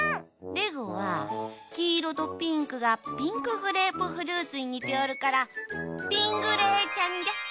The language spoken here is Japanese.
レグはきいろとピンクがピンクグレープフルーツににておるからピングレーちゃんか。